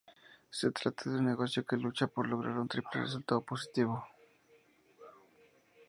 Se trata de un negocio que lucha por lograr un triple resultado positivo.